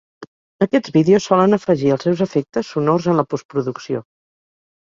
Aquests vídeos solen afegir els seus efectes sonors en la postproducció.